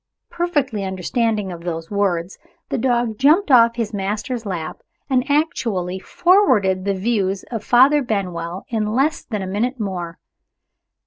Perfectly understanding those last words, the dog jumped off his master's lap, and actually forwarded the views of Father Benwell in less than a minute more.